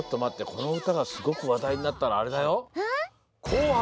このうたがすごくわだいになったらあれだよ。